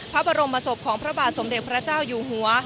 พระบรมศพของพระบาทสมเด็จพระเจ้าอยู่หัว